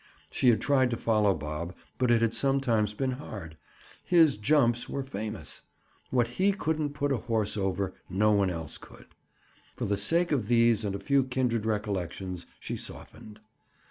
She had tried to follow Bob but it had sometimes been hard. His "jumps" were famous. What he couldn't put a horse over, no one else could. For the sake of these and a few kindred recollections, she softened.